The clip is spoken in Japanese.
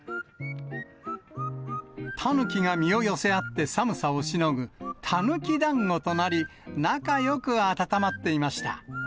タヌキが身を寄せ合って寒さをしのぐタヌキだんごとなり、仲よく暖まっていました。